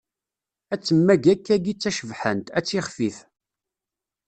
Ad temmag akkayi d tacebḥant, ad tixfif.